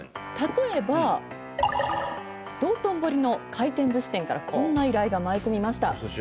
例えば道頓堀の回転ずし店からこんな依頼が舞い込みました。